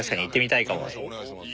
お願いします。